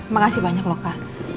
makasih banyak loh kak